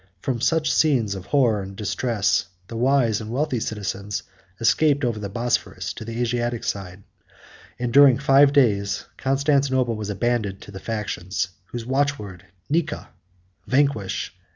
From such scenes of horror and distress, the wise and wealthy citizens escaped over the Bosphorus to the Asiatic side; and during five days Constantinople was abandoned to the factions, whose watchword, Nika, vanquish!